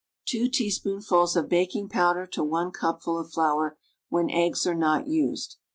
i teaspoonfuls of baking powder to 1 cupful of flour, when eggs are .toI used.